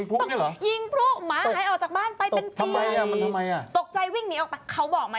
ไปมีลูกบ้านอื่นแล้วอ่ะ